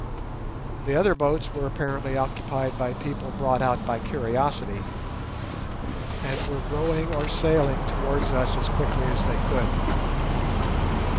The other boats were apparently occupied by people brought out by curiosity, and were rowing or sailing towards us as quickly as they could.